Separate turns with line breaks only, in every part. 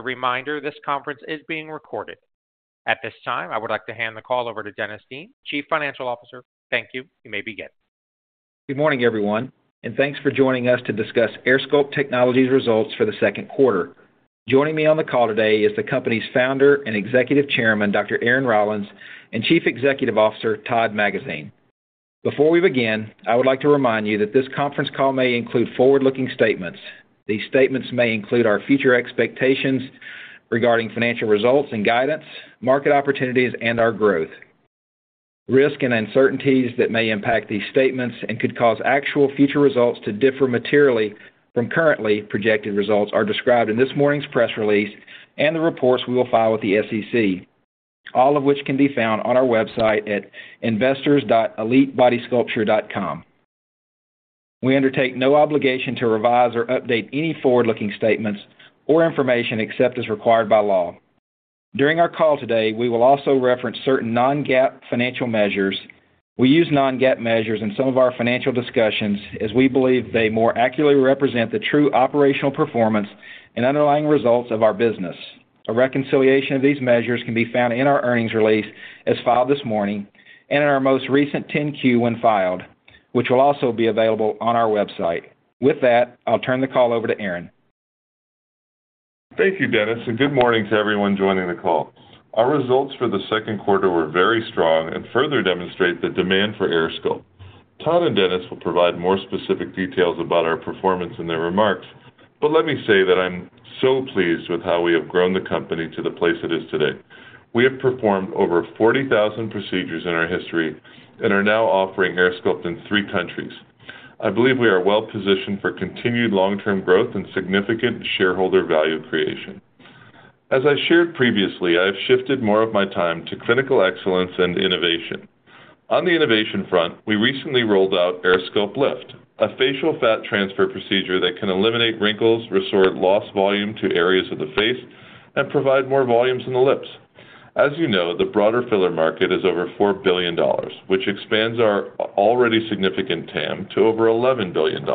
As a reminder, this conference is being recorded. At this time, I would like to hand the call over to Dennis Dean, Chief Financial Officer. Thank you. You may begin.
Good morning, everyone, and thanks for joining us to discuss AirSculpt Technologies' Results for the Second Quarter. Joining me on the call today is the company's Founder and Executive Chairman, Dr. Aaron Rollins, and Chief Executive Officer, Todd Magazine. Before we begin, I would like to remind you that this conference call may include forward-looking statements. These statements may include our future expectations regarding financial results and guidance, market opportunities, and our growth. Risk and uncertainties that may impact these statements and could cause actual future results to differ materially from currently projected results are described in this morning's press release and the reports we will file with the SEC, all of which can be found on our website at investors.elitebodysculpture.com. We undertake no obligation to revise or update any forward-looking statements or information except as required by law. During our call today, we will also reference certain non-GAAP financial measures. We use non-GAAP measures in some of our financial discussions as we believe they more accurately represent the true operational performance and underlying results of our business. A reconciliation of these measures can be found in our earnings release, as filed this morning, and in our most recent 10-Q, when filed, which will also be available on our website. With that, I'll turn the call over to Aaron.
Thank you, Dennis, and good morning to everyone joining the call. Our results for the second quarter were very strong and further demonstrate the demand for AirSculpt. Todd and Dennis will provide more specific details about our performance in their remarks, but let me say that I'm so pleased with how we have grown the company to the place it is today. We have performed over 40,000 procedures in our history and are now offering AirSculpt in three countries. I believe we are well positioned for continued long-term growth and significant shareholder value creation. As I shared previously, I have shifted more of my time to clinical excellence and innovation. On the innovation front, we recently rolled out AirSculpt Lift, a facial fat transfer procedure that can eliminate wrinkles, restore lost volume to areas of the face, and provide more volumes in the lips. As you know, the broader filler market is over $4 billion, which expands our already significant TAM to over $11 billion.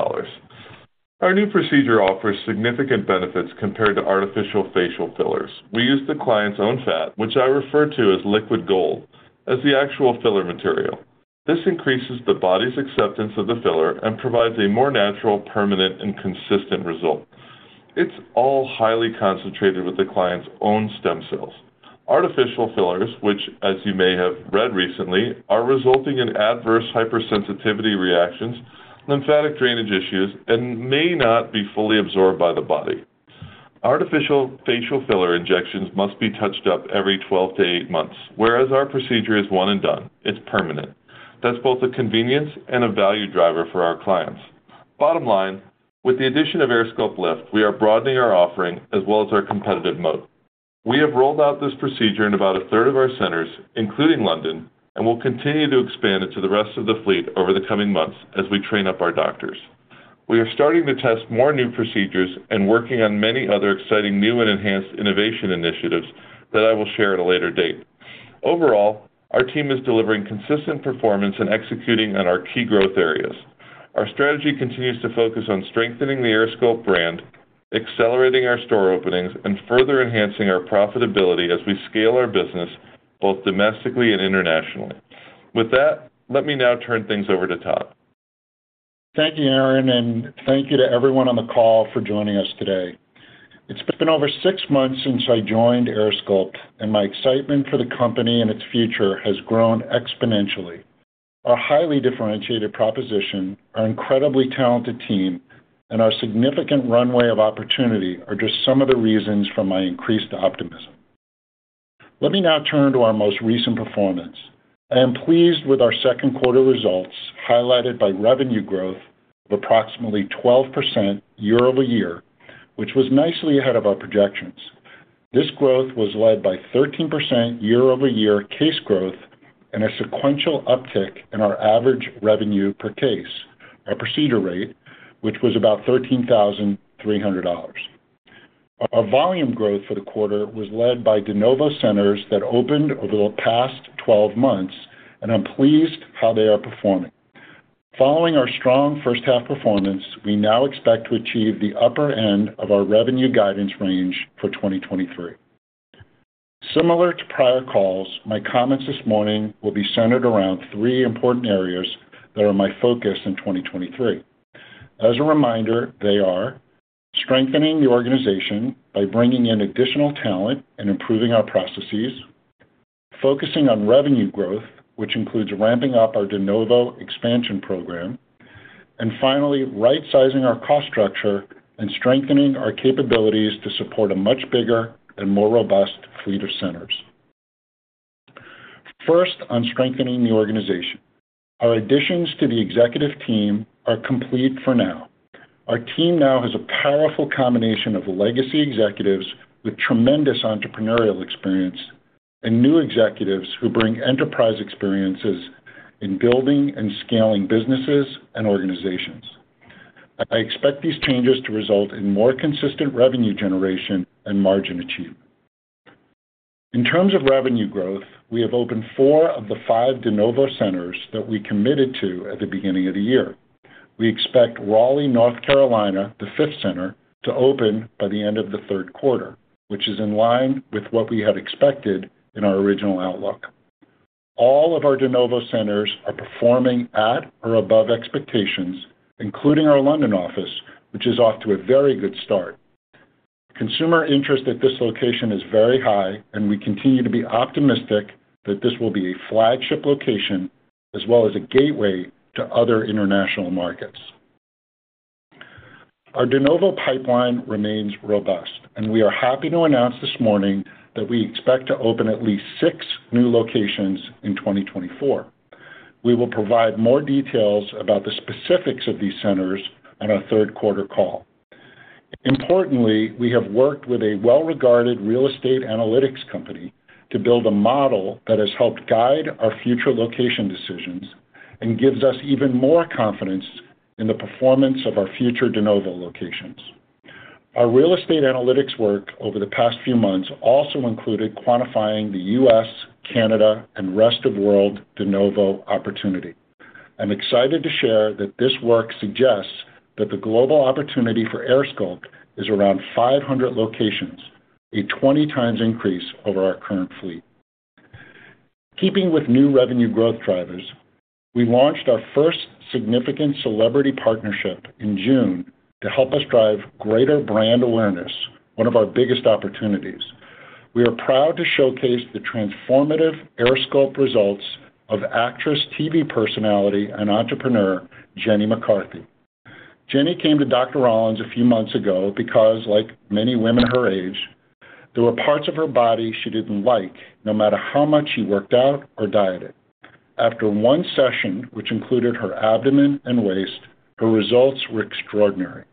Our new procedure offers significant benefits compared to artificial facial fillers. We use the client's own fat, which I refer to as liquid gold, as the actual filler material. This increases the body's acceptance of the filler and provides a more natural, permanent, and consistent result. It's all highly concentrated with the client's own stem cells. Artificial fillers, which, as you may have read recently, are resulting in adverse hypersensitivity reactions, lymphatic drainage issues, and may not be fully absorbed by the body. Artificial facial filler injections must be touched up every 12 to eight months, whereas our procedure is one and done. It's permanent. That's both a convenience and a value driver for our clients. Bottom line, with the addition of AirSculpt Lift, we are broadening our offering as well as our competitive moat. We have rolled out this procedure in about a third of our centers, including London, and will continue to expand it to the rest of the fleet over the coming months as we train up our doctors. We are starting to test more new procedures and working on many other exciting new and enhanced innovation initiatives that I will share at a later date. Overall, our team is delivering consistent performance and executing on our key growth areas. Our strategy continues to focus on strengthening the AirSculpt brand, accelerating our store openings, and further enhancing our profitability as we scale our business both domestically and internationally. With that, let me now turn things over to Todd.
Thank you, Aaron, thank you to everyone on the call for joining us today. It's been over six months since I joined AirSculpt, and my excitement for the company and its future has grown exponentially. Our highly differentiated proposition, our incredibly talented team, and our significant runway of opportunity are just some of the reasons for my increased optimism. Let me now turn to our most recent performance. I am pleased with our second quarter results, highlighted by revenue growth of approximately 12% year-over-year, which was nicely ahead of our projections. This growth was led by 13% year-over-year case growth and a sequential uptick in our average revenue per case, our procedure rate, which was about $13,300. Our volume growth for the quarter was led by de novo centers that opened over the past 12 months, and I'm pleased how they are performing. Following our strong first half performance, we now expect to achieve the upper end of our revenue guidance range for 2023. Similar to prior calls, my comments this morning will be centered around three important areas that are my focus in 2023. As a reminder, they are: strengthening the organization by bringing in additional talent and improving our processes, focusing on revenue growth, which includes ramping up our de novo expansion program, and finally, right-sizing our cost structure and strengthening our capabilities to support a much bigger and more robust fleet of centers. First, on strengthening the organization. Our additions to the executive team are complete for now. Our team now has a powerful combination of legacy executives with tremendous entrepreneurial experience and new executives who bring enterprise experiences in building and scaling businesses and organizations. I expect these changes to result in more consistent revenue generation and margin achievement....In terms of revenue growth, we have opened four of the five de novo centers that we committed to at the beginning of the year. We expect Raleigh, North Carolina, the fifth center, to open by the end of the third quarter, which is in line with what we had expected in our original outlook. All of our de novo centers are performing at or above expectations, including our London office, which is off to a very good start. Consumer interest at this location is very high, and we continue to be optimistic that this will be a flagship location as well as a gateway to other international markets. Our de novo pipeline remains robust, and we are happy to announce this morning that we expect to open at least six new locations in 2024. We will provide more details about the specifics of these centers on our third quarter call. Importantly, we have worked with a well-regarded real estate analytics company to build a model that has helped guide our future location decisions and gives us even more confidence in the performance of our future de novo locations. Our real estate analytics work over the past few months also included quantifying the US, Canada, and rest of world de novo opportunity. I'm excited to share that this work suggests that the global opportunity for AirSculpt is around 500 locations, a 20 times increase over our current fleet. Keeping with new revenue growth drivers, we launched our first significant celebrity partnership in June to help us drive greater brand awareness, one of our biggest opportunities. We are proud to showcase the transformative AirSculpt results of actress, TV personality, and entrepreneur Jenny McCarthy. Jenny came to Dr. Rollins a few months ago because, like many women her age, there were parts of her body she didn't like, no matter how much she worked out or dieted. After one session, which included her abdomen and waist, her results were extraordinary.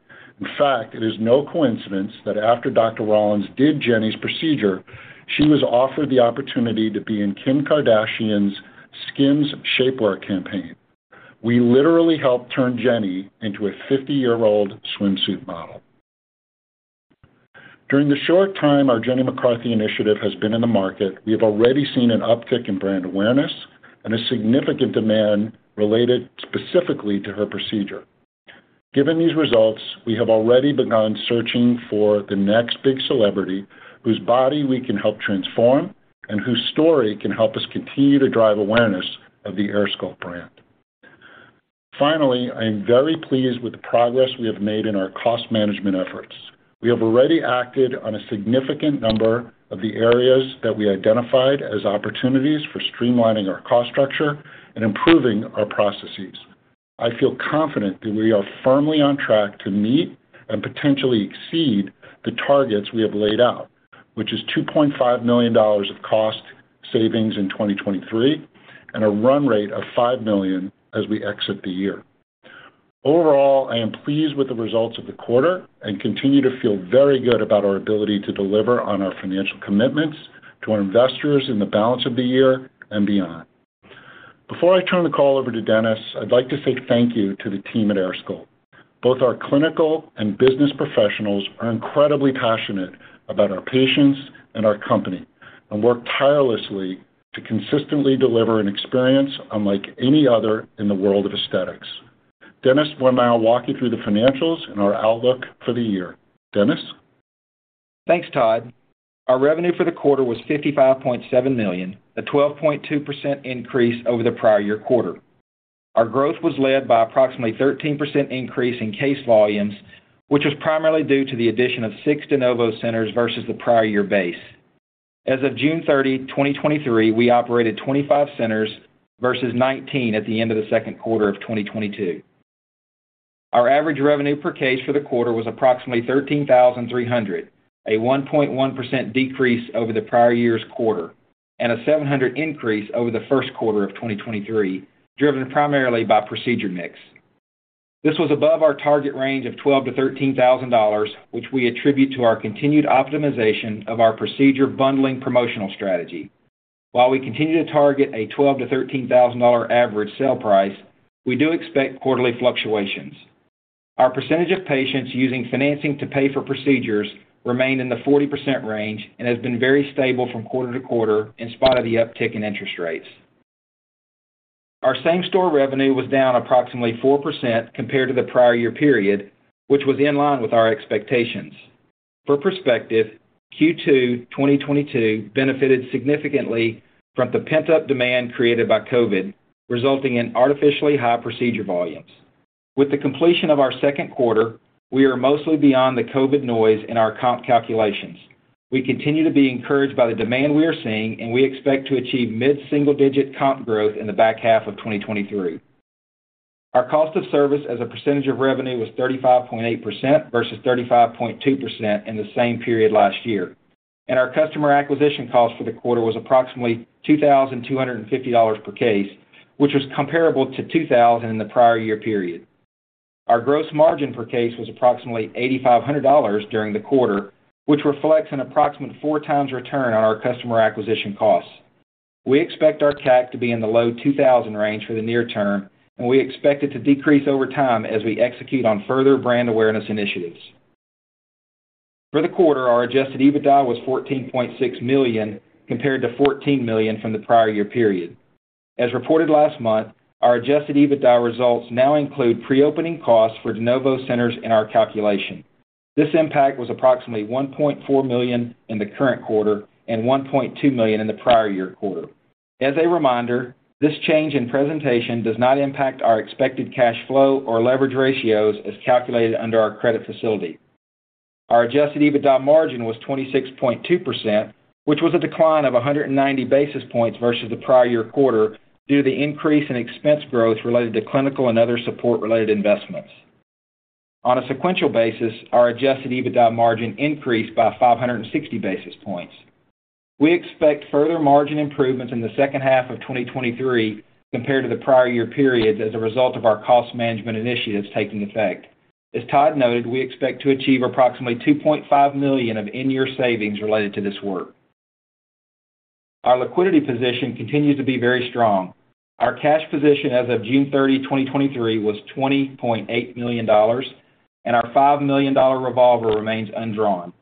In fact, it is no coincidence that after Dr. Rollins did Jenny's procedure, she was offered the opportunity to be in Kim Kardashian's SKIMS shapewear campaign. We literally helped turn Jenny into a 50-year-old swimsuit model. During the short time our Jenny McCarthy initiative has been in the market, we have already seen an uptick in brand awareness and a significant demand related specifically to her procedure. Given these results, we have already begun searching for the next big celebrity whose body we can help transform and whose story can help us continue to drive awareness of the AirSculpt brand. I am very pleased with the progress we have made in our cost management efforts. We have already acted on a significant number of the areas that we identified as opportunities for streamlining our cost structure and improving our processes. I feel confident that we are firmly on track to meet and potentially exceed the targets we have laid out, which is $2.5 million of cost savings in 2023 and a run rate of $5 million as we exit the year. Overall, I am pleased with the results of the quarter and continue to feel very good about our ability to deliver on our financial commitments to our investors in the balance of the year and beyond. Before I turn the call over to Dennis, I'd like to say thank you to the team at AirSculpt. Both our clinical and business professionals are incredibly passionate about our patients and our company and work tirelessly to consistently deliver an experience unlike any other in the world of aesthetics. Dennis will now walk you through the financials and our outlook for the year. Dennis?
Thanks, Todd. Our revenue for the quarter was $55.7 million, a 12.2% increase over the prior year quarter. Our growth was led by approximately 13% increase in case volumes, which was primarily due to the addition of 6 de novo centers versus the prior year base. As of June 30, 2023, we operated 25 centers versus 19 at the end of the second quarter of 2022. Our average revenue per case for the quarter was approximately $13,300, a 1.1% decrease over the prior year's quarter and a $700 increase over the first quarter of 2023, driven primarily by procedure mix. This was above our target range of $12,000-$13,000, which we attribute to our continued optimization of our procedure bundling promotional strategy. While we continue to target a $12,000-$13,000 average sale price, we do expect quarterly fluctuations. Our percentage of patients using financing to pay for procedures remained in the 40% range and has been very stable from quarter to quarter in spite of the uptick in interest rates. Our same-store revenue was down approximately 4% compared to the prior year period, which was in line with our expectations. For perspective, Q2 2022 benefited significantly from the pent-up demand created by COVID-19, resulting in artificially high procedure volumes. With the completion of our second quarter, we are mostly beyond the COVID-19 noise in our comp calculations. We continue to be encouraged by the demand we are seeing, and we expect to achieve mid-single-digit comp growth in the back half of 2023. Our cost of service as a percentage of revenue was 35.8% versus 35.2% in the same period last year. Our customer acquisition cost for the quarter was approximately $2,250 per case, which was comparable to $2,000 in the prior year period. Our gross margin per case was approximately $8,500 during the quarter, which reflects an approximate 4 times return on our customer acquisition costs. We expect our CAC to be in the low $2,000 range for the near term, and we expect it to decrease over time as we execute on further brand awareness initiatives. For the quarter, our Adjusted EBITDA was $14.6 million, compared to $14 million from the prior year period. As reported last month, our Adjusted EBITDA results now include pre-opening costs for de novo centers in our calculation. This impact was approximately $1.4 million in the current quarter and $1.2 million in the prior year quarter. As a reminder, this change in presentation does not impact our expected cash flow or leverage ratios as calculated under our credit facility. Our Adjusted EBITDA margin was 26.2%, which was a decline of 190 basis points versus the prior year quarter, due to the increase in expense growth related to clinical and other support-related investments. On a sequential basis, our Adjusted EBITDA margin increased by 560 basis points. We expect further margin improvements in the second half of 2023 compared to the prior year periods as a result of our cost management initiatives taking effect. As Todd noted, we expect to achieve approximately $2.5 million of in-year savings related to this work. Our liquidity position continues to be very strong. Our cash position as of June 30, 2023, was $20.8 million, and our $5 million revolver remains undrawn.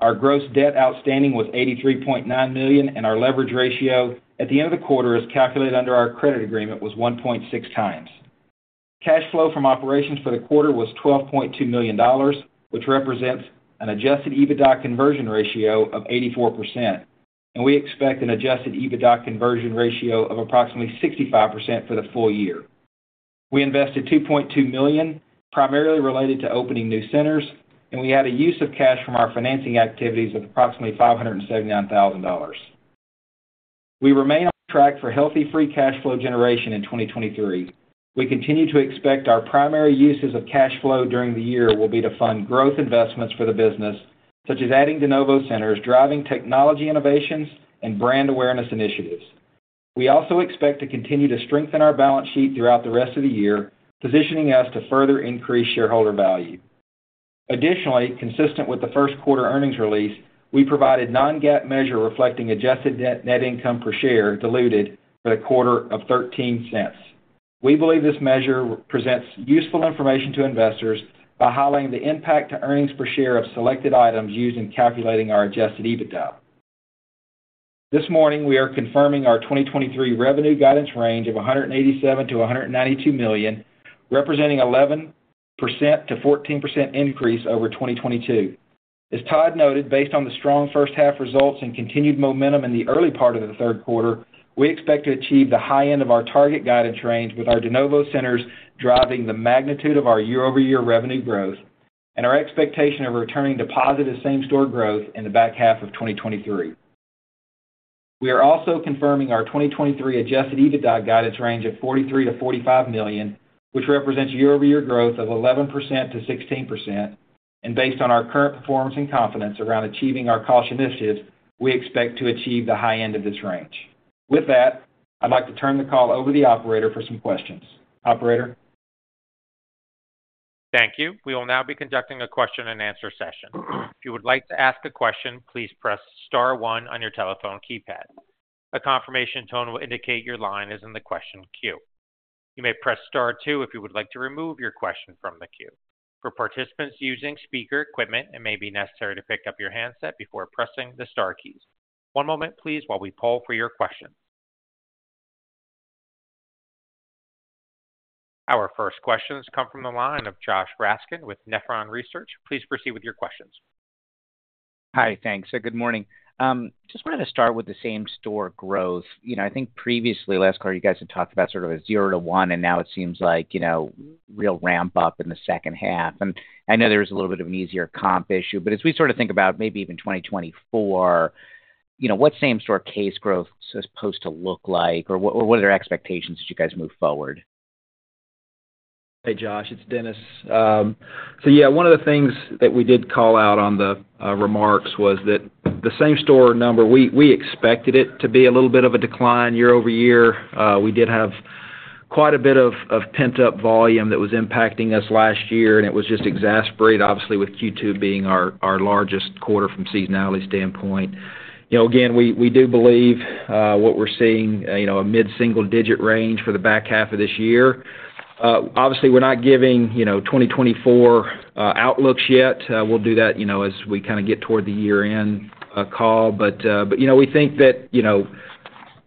Our gross debt outstanding was $83.9 million. Our leverage ratio at the end of the quarter, as calculated under our credit agreement, was 1.6 times. Cash flow from operations for the quarter was $12.2 million, which represents an Adjusted EBITDA conversion ratio of 84%. We expect an Adjusted EBITDA conversion ratio of approximately 65% for the full year. We invested $2.2 million, primarily related to opening new centers. We had a use of cash from our financing activities of approximately $579,000. We remain on track for healthy free cash flow generation in 2023. We continue to expect our primary uses of cash flow during the year will be to fund growth investments for the business, such as adding de novo centers, driving technology innovations, and brand awareness initiatives. We also expect to continue to strengthen our balance sheet throughout the rest of the year, positioning us to further increase shareholder value. Additionally, consistent with the first quarter earnings release, we provided non-GAAP measure reflecting adjusted net, net income per share, diluted for the quarter of $0.13. We believe this measure presents useful information to investors by highlighting the impact to earnings per share of selected items used in calculating our adjusted EBITDA. This morning, we are confirming our 2023 revenue guidance range of $187 million-$192 million, representing 11%-14% increase over 2022. As Todd noted, based on the strong first half results and continued momentum in the early part of the third quarter, we expect to achieve the high end of our target guidance range, with our de novo centers driving the magnitude of our year-over-year revenue growth and our expectation of returning to positive same-store growth in the back half of 2023. We are also confirming our 2023 Adjusted EBITDA guidance range of $43 million-$45 million, which represents year-over-year growth of 11%-16%. Based on our current performance and confidence around achieving our cost initiatives, we expect to achieve the high end of this range. With that, I'd like to turn the call over to the operator for some questions. Operator?
Thank you. We will now be conducting a question-and-answer session. If you would like to ask a question, please press star one on your telephone keypad. A confirmation tone will indicate your line is in the question queue. You may press star two if you would like to remove your question from the queue. For participants using speaker equipment, it may be necessary to pick up your handset before pressing the star keys. One moment, please, while we poll for your question. Our first questions come from the line of Josh Raskin with Nephron Research. Please proceed with your questions.
Hi. Thanks. Good morning. Just wanted to start with the same-store growth. You know, I think previously, last quarter, you guys had talked about sort of a zero to one, and now it seems like, you know, real ramp up in the second half. I know there's a little bit of an easier comp issue, but as we sort of think about maybe even 2024, you know, what same-store case growth is supposed to look like or what, what are their expectations as you guys move forward?
Hey, Josh, it's Dennis. So yeah, one of the things that we did call out on the remarks was that the same-store number, we, we expected it to be a little bit of a decline year-over-year. We did have quite a bit of pent-up volume that was impacting us last year, and it was just exacerbated, obviously, with Q2 being our largest quarter from seasonality standpoint. You know, again, we, we do believe what we're seeing, you know, a mid-single-digit range for the back half of this year. Obviously, we're not giving, you know, 2024 outlooks yet. We'll do that, you know, as we kinda get toward the year-end call. You know, we think that, you know,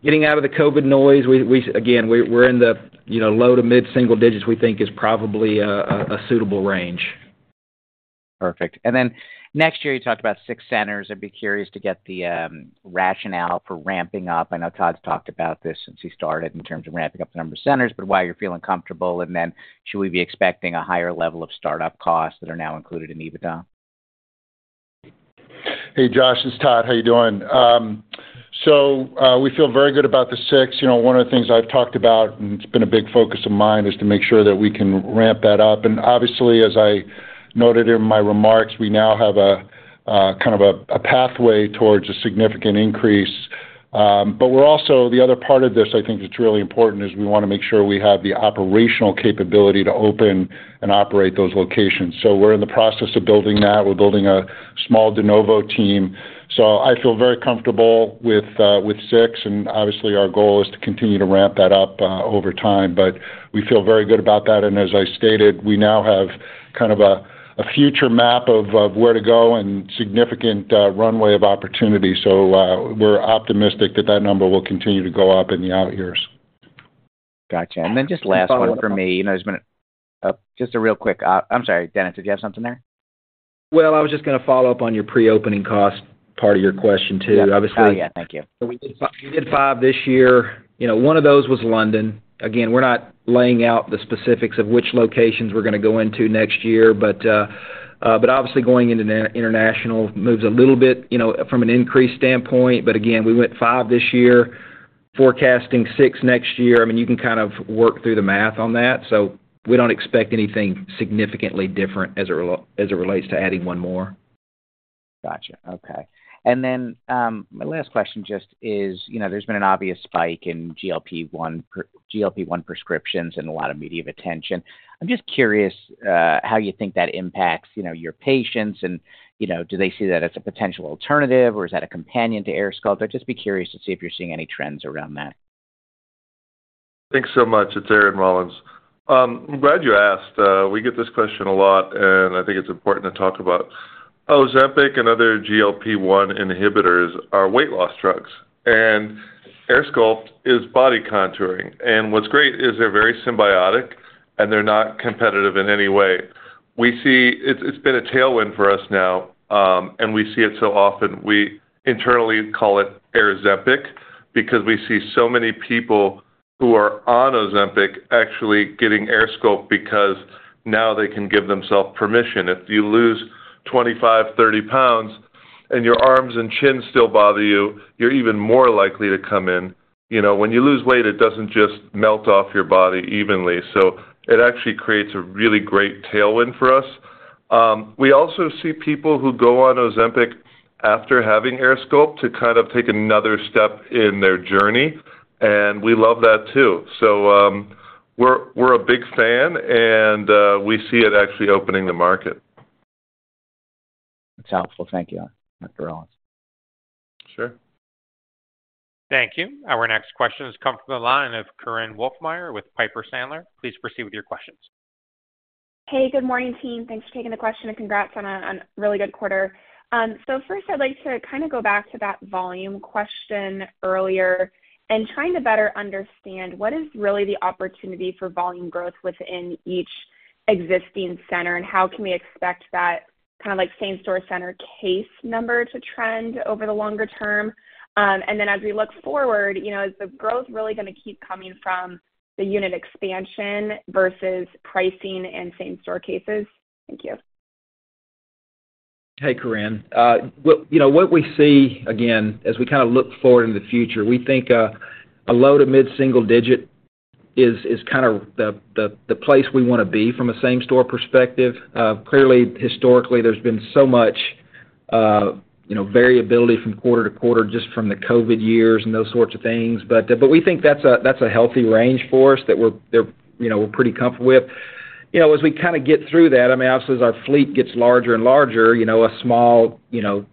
getting out of the COVID noise, we, again, we're, we're in the, you know, low to mid single digits, we think is probably a suitable range.
Perfect. Next year, you talked about six centers. I'd be curious to get the rationale for ramping up. I know Todd's talked about this since he started in terms of ramping up the number of centers, but why you're feeling comfortable, and then should we be expecting a higher level of startup costs that are now included in EBITDA?
Hey, Josh, it's Todd. How are you doing? We feel very good about the six. You know, one of the things I've talked about, and it's been a big focus of mine, is to make sure that we can ramp that up. Obviously, as I noted in my remarks, we now have a kind of a pathway towards a significant increase. We're also, the other part of this, I think that's really important, is we wanna make sure we have the operational capability to open and operate those locations. We're in the process of building that. We're building a small de novo team. I feel very comfortable with six, and obviously, our goal is to continue to ramp that up over time. We feel very good about that, and as I stated, we now have kind of a, a future map of, of where to go and significant runway of opportunity. We're optimistic that that number will continue to go up in the out years.
Gotcha. Just last one from me, you know, there's been just a real quick. I'm sorry, Dennis, did you have something there?
Well, I was just gonna follow up on your pre-opening cost, part of your question, too.
Yep.
Obviously-
Oh, yeah. Thank you.
We did five, we did five this year. You know, one of those was London. We're not laying out the specifics of which locations we're gonna go into next year, but obviously, going into the international moves a little bit, you know, from an increase standpoint. Again, we went five this year, forecasting six next year. I mean, you can kind of work through the math on that, we don't expect anything significantly different as it relates to adding 1 more.
Gotcha. Okay. Then, my last question just is, you know, there's been an obvious spike in GLP-1, GLP-1 prescriptions and a lot of media attention. I'm just curious, how you think that impacts, you know, your patients and, you know, do they see that as a potential alternative, or is that a companion to AirSculpt? I'd just be curious to see if you're seeing any trends around that.
Thanks so much. It's Aaron Rollins. I'm glad you asked. We get this question a lot, and I think it's important to talk about. Ozempic and other GLP-1 inhibitors are weight loss drugs, and AirSculpt is body contouring. What's great is they're very symbiotic, and they're not competitive in any way. We see... It's, it's been a tailwind for us now, and we see it so often. We internally call it AirZepic, because we see so many people who are on Ozempic actually getting AirSculpt because now they can give themselves permission. If you lose 25, 30 pounds and your arms and chin still bother you, you're even more likely to come in. You know, when you lose weight, it doesn't just melt off your body evenly. It actually creates a really great tailwind for us. We also see people who go on Ozempic after having AirSculpt to kind of take another step in their journey, and we love that, too. We're, we're a big fan, and we see it actually opening the market.
That's helpful. Thank you, Dr. Rollins.
Sure.
Thank you. Our next question has come from the line of Korinne Wolfmeyer with Piper Sandler. Please proceed with your questions.
Hey, good morning, team. Thanks for taking the question, and congrats on a really good quarter. First, I'd like to kind of go back to that volume question earlier and trying to better understand, what is really the opportunity for volume growth within each existing center, and how can we expect that kind of, like, same-store center case number to trend over the longer term? Then as we look forward, you know, is the growth really gonna keep coming from the unit expansion versus pricing and same-store cases? Thank you.
Hey, Korinne. Well, you know, what we see, again, as we kind of look forward in the future, we think, a low to mid-single digit is, is kind of the, the, the place we wanna be from a same-store perspective. Clearly, historically, there's been so much, you know, variability from quarter-to-quarter, just from the COVID-19 years and those sorts of things. But, but we think that's a, that's a healthy range for us, that we're, that, you know, we're pretty comfortable with. You know, as we kinda get through that, I mean, obviously, as our fleet gets larger and larger, you know, a small, you know,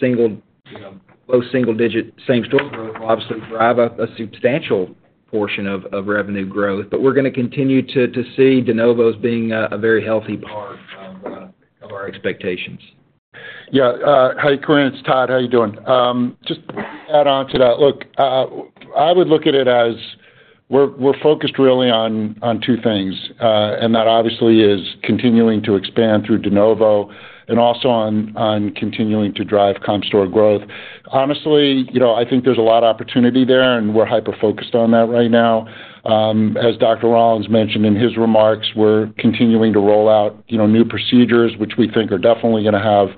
single, you know, low single digit same-store growth will obviously drive a, a substantial portion of, of revenue growth. We're gonna continue to, to see de novos being a, a very healthy part of our expectations.
Yeah, hi, Korinne, it's Todd. How are you doing? Just to add on to that. Look, I would look at it as we're, we're focused really on, on two things, and that obviously is continuing to expand through de novo and also on, on continuing to drive comp store growth. Honestly, you know, I think there's a lot of opportunity there, and we're hyper-focused on that right now. As Dr. Rollins mentioned in his remarks, we're continuing to roll out, you know, new procedures, which we think are definitely gonna have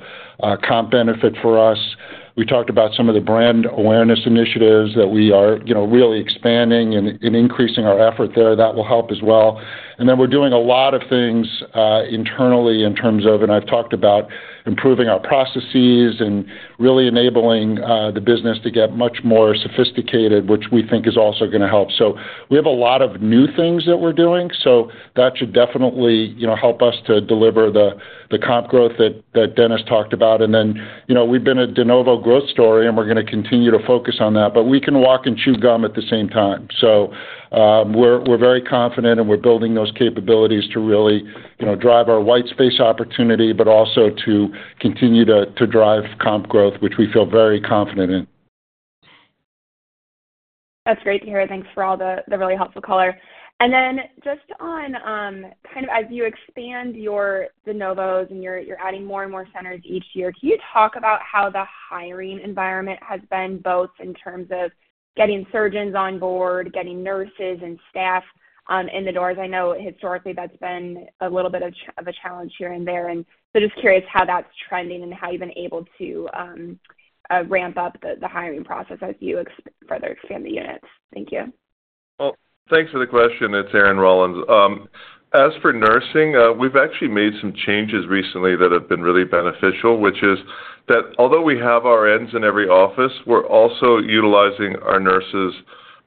comp benefit for us. We talked about some of the brand awareness initiatives that we are, you know, really expanding and, and increasing our effort there. That will help as well. We're doing a lot of things internally in terms of, and I've talked about, improving our processes and really enabling the business to get much more sophisticated, which we think is also gonna help. We have a lot of new things that we're doing, so that should definitely, you know, help us to deliver the comp growth that Dennis talked about. You know, we've been a de novo growth story, and we're gonna continue to focus on that, but we can walk and chew gum at the same time. We're, we're very confident, and we're building those capabilities to really, you know, drive our white space opportunity, but also to continue to drive comp growth, which we feel very confident in.
That's great to hear. Thanks for all the, the really helpful color. And then just on, kind of as you expand your de novos and you're, you're adding more and more centers each year, can you talk about how the hiring environment has been, both in terms of getting surgeons on board, getting nurses and staff, in the doors? I know historically that's been a little bit of a challenge here and there, and so just curious how that's trending and how you've been able to, ramp up the, the hiring process as you further expand the units. Thank you.
Well, thanks for the question. It's Aaron Rollins. As for nursing, we've actually made some changes recently that have been really beneficial, which is that although we have RNs in every office, we're also utilizing our nurses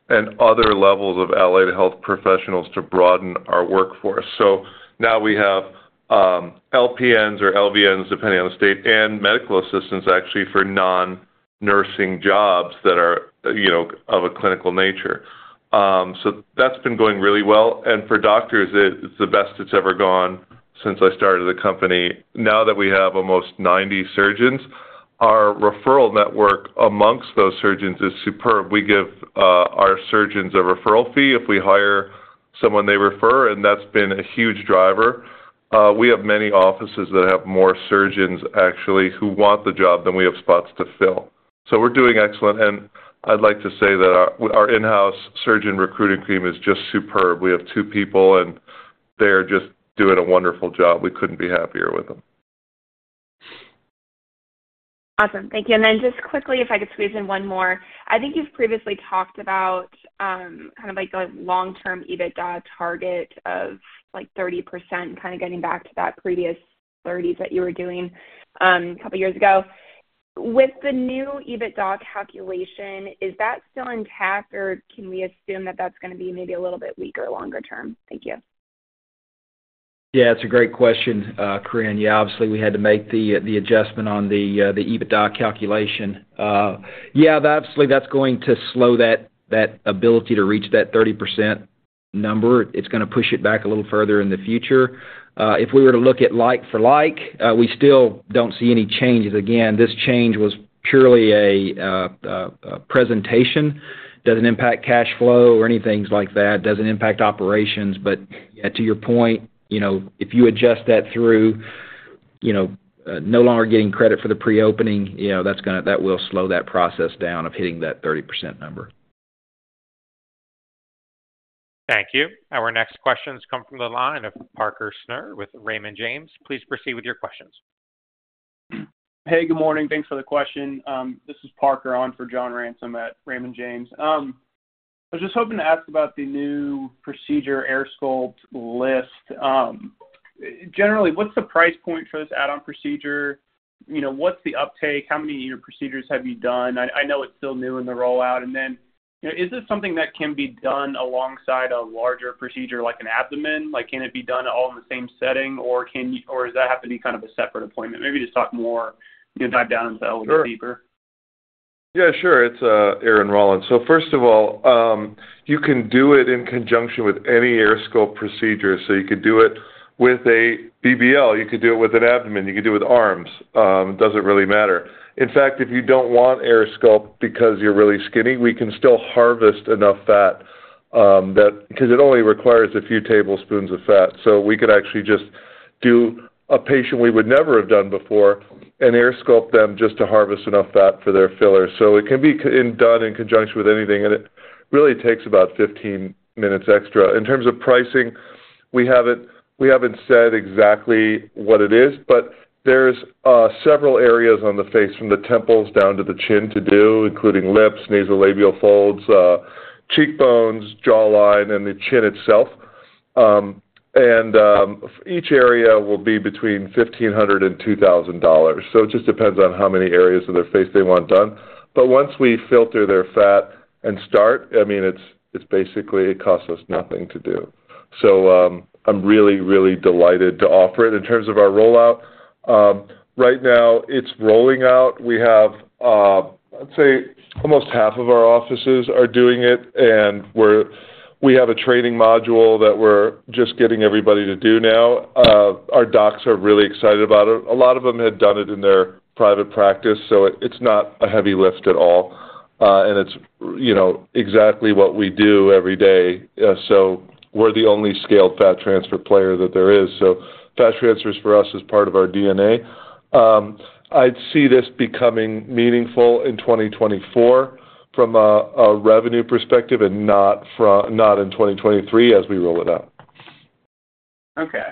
and other levels of allied health professionals to broaden our workforce. Now we have LPNs or LVNs, depending on the state, and medical assistants actually for non-nursing jobs that are, you know, of a clinical nature. That's been going really well, and for doctors, it's the best it's ever gone since I started the company. Now that we have almost 90 surgeons, our referral network amongst those surgeons is superb. We give our surgeons a referral fee if we hire someone they refer, and that's been a huge driver. We have many offices that have more surgeons actually who want the job than we have spots to fill. We're doing excellent, and I'd like to say that our, our in-house surgeon recruiting team is just superb. We have two people, and they are just doing a wonderful job. We couldn't be happier with them.
Awesome. Thank you. Then just quickly, if I could squeeze in one more. I think you've previously talked about kind of like a long-term EBITDA target of like 30%, kind of getting back to that previous 30s that you were doing a couple of years ago. With the new EBITDA calculation, is that still intact, or can we assume that that's going to be maybe a little bit weaker longer term? Thank you.
Yeah, it's a great question, Corinne. Yeah, obviously, we had to make the, the adjustment on the, the EBITDA calculation. Yeah, that's going to slow that, that ability to reach that 30% number. It's going to push it back a little further in the future. If we were to look at like for like, we still don't see any changes. Again, this change was purely a, a, a presentation, doesn't impact cash flow or anything like that, doesn't impact operations, but to your point, you know, if you adjust that through, you know, no longer getting credit for the pre-opening, you know, that will slow that process down of hitting that 30% number.
Thank you. Our next question has come from the line of Parker Snurr with Raymond James. Please proceed with your questions.
Hey, good morning. Thanks for the question. this is Parker on for John Ransom at Raymond James. I was just hoping to ask about the new procedure, AirSculpt Lift. generally, what's the price point for this add-on procedure? You know, what's the uptake? How many procedures have you done? I know it's still new in the rollout. Is this something that can be done alongside a larger procedure, like an abdomen? Like, can it be done all in the same setting, or does that have to be kind of a separate appointment? Maybe just talk more, you know, dive down into a little bit deeper.
Yeah, sure. It's Aaron Rollins. First of all, you can do it in conjunction with any AirSculpt procedure. You could do it with a BBL, you could do it with an abdomen, you could do it with arms, doesn't really matter. In fact, if you don't want AirSculpt because you're really skinny, we can still harvest enough fat because it only requires a few tablespoons of fat. We could actually just do a patient we would never have done before, and AirSculpt them just to harvest enough fat for their filler. It can be, in, done in conjunction with anything, and it really takes about 15 minutes extra. In terms of pricing, we haven't, we haven't said exactly what it is, but there's several areas on the face, from the temples down to the chin to do, including lips, nasolabial folds, cheekbones, jawline, and the chin itself. Each area will be between $1,500 and $2,000. It just depends on how many areas of their face they want done. Once we filter their fat and start, I mean, it's, it's basically, it costs us nothing to do. I'm really, really delighted to offer it. In terms of our rollout, right now it's rolling out. We have, let's say, almost half of our offices are doing it, and we have a training module that we're just getting everybody to do now. Our docs are really excited about it. A lot of them had done it in their private practice, so it, it's not a heavy lift at all, and it's, you know, exactly what we do every day. We're the only scaled fat transfer player that there is. Fat transfers for us is part of our DNA. I'd see this becoming meaningful in 2024 from a, a revenue perspective and not not in 2023, as we roll it out.
Okay.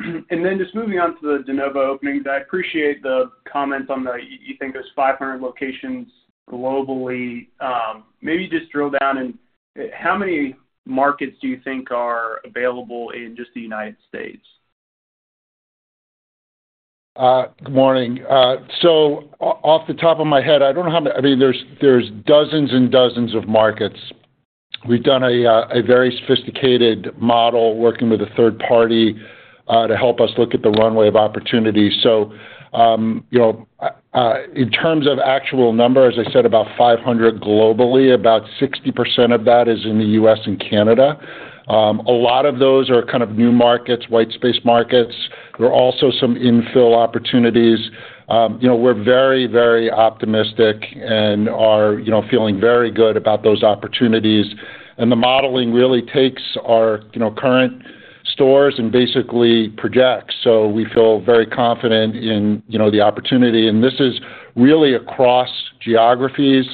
Just moving on to the de novo openings, I appreciate the comments on the... You think there's 500 locations globally. Maybe just drill down and how many markets do you think are available in just the United States?
Good morning. Off the top of my head, I don't know how many. I mean, there's, there's dozens and dozens of markets. We've done a very sophisticated model, working with a third party to help us look at the runway of opportunity. You know, in terms of actual numbers, as I said, about 500 globally, about 60% of that is in the US and Canada. A lot of those are kind of new markets, white space markets. There are also some infill opportunities. You know, we're very, very optimistic and are, you know, feeling very good about those opportunities. The modeling really takes our, you know, current stores and basically projects. We feel very confident in, you know, the opportunity. This is really across geographies.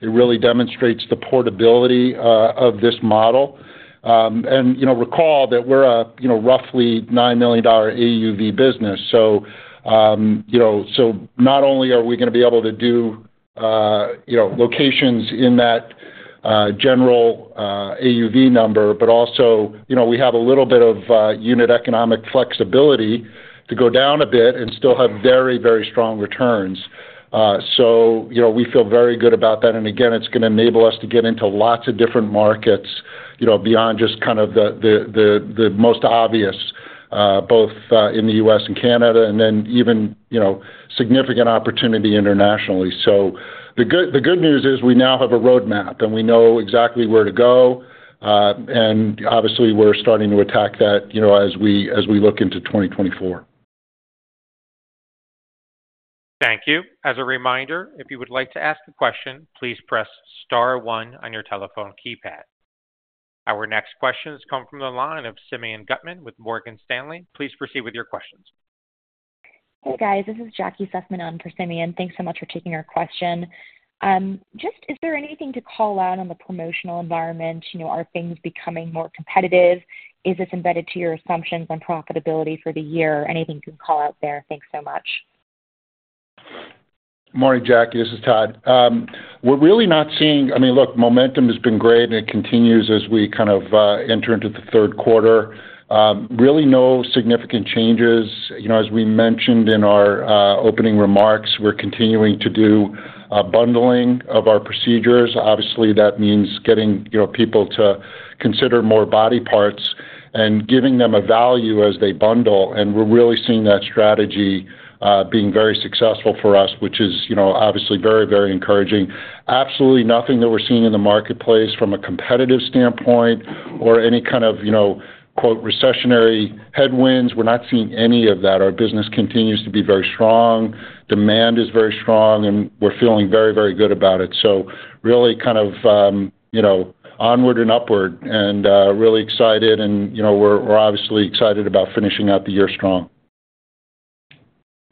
It really demonstrates the portability of this model. Recall that we're a roughly $9 million AUV business. Not only are we gonna be able to do locations in that general AUV number, but also, we have a little bit of unit economic flexibility to go down a bit and still have very, very strong returns. We feel very good about that, and again, it's gonna enable us to get into lots of different markets, beyond just kind of the most obvious, both in the U.S. and Canada, and then even significant opportunity internationally. The good news is we now have a roadmap, and we know exactly where to go. Obviously, we're starting to attack that, you know, as we, as we look into 2024.
Thank you. As a reminder, if you would like to ask a question, please press Star one on your telephone keypad. Our next question has come from the line of Simeon Gutman with Morgan Stanley. Please proceed with your questions.
Hey, guys. This is Jackie Sussman in for Simeon. Thanks so much for taking our question. Is there anything to call out on the promotional environment? You know, are things becoming more competitive? Is this embedded to your assumptions on profitability for the year? Anything you can call out there? Thanks so much.
Morning, Jackie, this is Todd. We're really not seeing- I mean, look, momentum has been great, and it continues as we kind of enter into the third quarter. Really no significant changes. You know, as we mentioned in our opening remarks, we're continuing to do bundling of our procedures. Obviously, that means getting, you know, people to consider more body parts and giving them a value as they bundle, and we're really seeing that strategy being very successful for us, which is, you know, obviously very, very encouraging. Absolutely nothing that we're seeing in the marketplace from a competitive standpoint or any kind of, you know, quote, "recessionary headwinds." We're not seeing any of that. Our business continues to be very strong. Demand is very strong. We're feeling very, very good about it. Really kind of, you know, onward and upward and, really excited and, you know, we're, we're obviously excited about finishing out the year strong.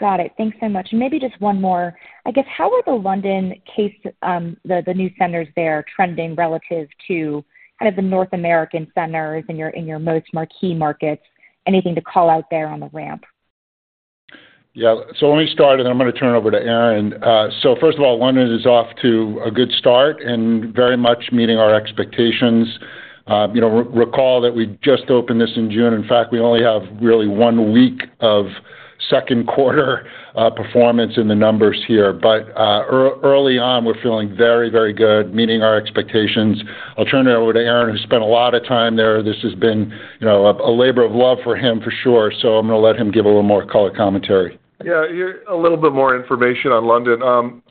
Got it. Thanks so much. Maybe just one more. I guess, how are the London case, the, the new centers there trending relative to kind of the North American centers in your, in your most marquee markets? Anything to call out there on the ramp?
Yeah. Let me start, and I'm gonna turn it over to Aaron. First of all, London is off to a good start and very much meeting our expectations. you know, recall that we just opened this in June. In fact, we only have really one week of second quarter performance in the numbers here. Early on, we're feeling very, very good, meeting our expectations. I'll turn it over to Aaron, who spent a lot of time there. This has been, you know, a, a labor of love for him, for sure. I'm gonna let him give a little more color commentary.
Yeah, a little bit more information on London.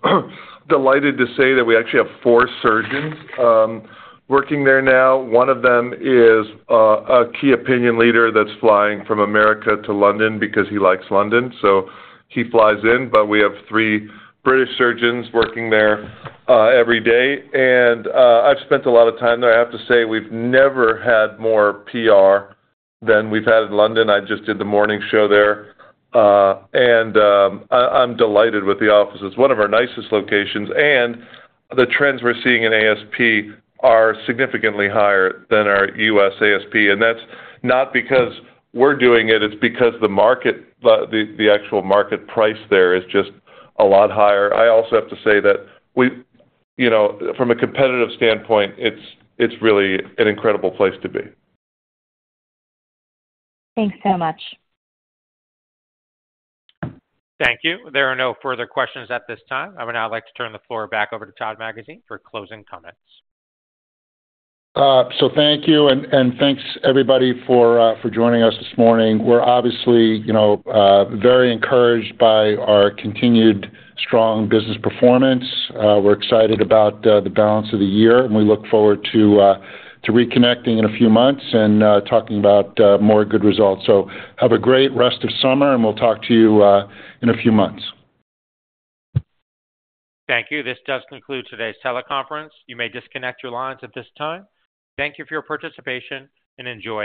Delighted to say that we actually have four surgeons working there now. One of them is a key opinion leader that's flying from America to London because he likes London, so he flies in. We have three British surgeons working there every day, and I've spent a lot of time there. I have to say, we've never had more PR than we've had in London. I just did the morning show there, and I'm delighted with the offices, one of our nicest locations. The trends we're seeing in ASP are significantly higher than our US ASP, and that's not because we're doing it, it's because the market, the actual market price there is just a lot higher. I also have to say that we... You know, from a competitive standpoint, it's really an incredible place to be.
Thanks so much.
Thank you. There are no further questions at this time. I would now like to turn the floor back over to Todd Magazine for closing comments.
Thank you, and thanks, everybody, for joining us this morning. We're obviously, you know, very encouraged by our continued strong business performance. We're excited about the balance of the year, and we look forward to reconnecting in a few months and talking about more good results. Have a great rest of summer, and we'll talk to you in a few months.
Thank you. This does conclude today's teleconference. You may disconnect your lines at this time. Thank you for your participation, and enjoy your day.